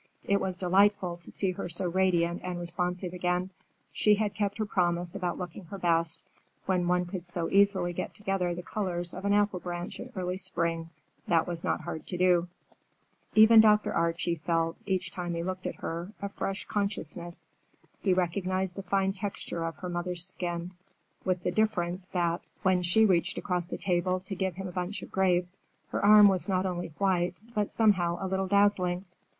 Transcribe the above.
It was delightful to see her so radiant and responsive again. She had kept her promise about looking her best; when one could so easily get together the colors of an apple branch in early spring, that was not hard to do. Even Dr. Archie felt, each time he looked at her, a fresh consciousness. He recognized the fine texture of her mother's skin, with the difference that, when she reached across the table to give him a bunch of grapes, her arm was not only white, but somehow a little dazzling.